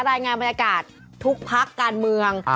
รายงานบรรยากาศทุกพักการเมือง